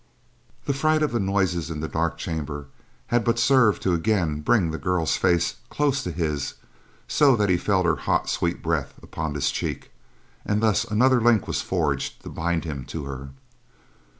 The fright of the noises in the dark chamber had but served to again bring the girl's face close to his so that he felt her hot, sweet breath upon his cheek, and thus another link was forged to bind him to her.